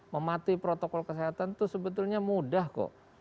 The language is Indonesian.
mematuhi protokol kesehatan itu sebetulnya mudah kok